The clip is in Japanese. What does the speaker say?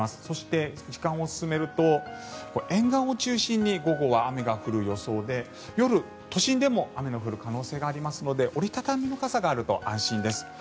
そして、時間を進めると沿岸を中心に午後は雨が降る予想で夜、都心でも雨の降る可能性がありますので折り畳みの傘があると安心です。